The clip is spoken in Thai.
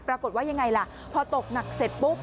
ปรากฏว่ายังไงล่ะพอตกหนักเสร็จปุ๊บ